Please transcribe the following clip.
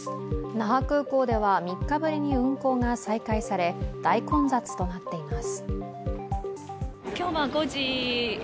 那覇空港では３日ぶりに運航が再開され大混雑となっています。